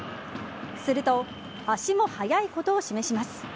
すると足も速いことを示します。